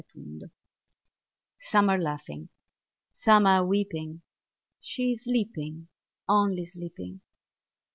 SOUND SLEEP Some are laughing, some are weeping; She is sleeping, only sleeping.